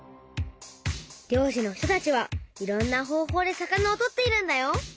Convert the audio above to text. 漁師の人たちはいろんな方法で魚をとっているんだよ。